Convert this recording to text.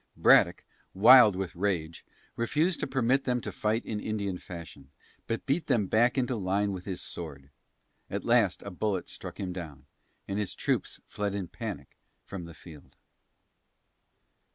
Braddock, wild with rage, refused to permit them to fight in Indian fashion, but beat them back into line with his sword. At last a bullet struck him down, and his troops fled in panic from the field.